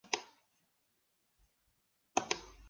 El vídeo está hecho en el estilo de un libro Pop-Up.